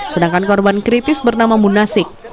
sedangkan korban kritis bernama munasik